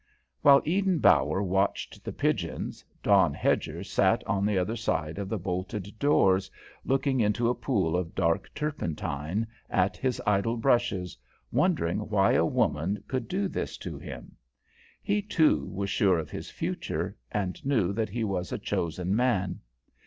While Eden Bower watched the pigeons, Don Hedger sat on the other side of the bolted doors, looking into a pool of dark turpentine, at his idle brushes, wondering why a woman could do this to him. He, too, was sure of his future and knew that he was a chosen man.